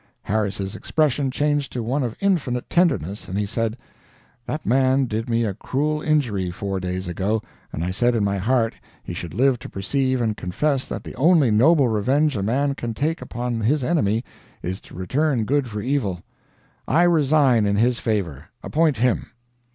Harris's expression changed to one of infinite tenderness, and he said: "That man did me a cruel injury four days ago, and I said in my heart he should live to perceive and confess that the only noble revenge a man can take upon his enemy is to return good for evil. I resign in his favor. Appoint him."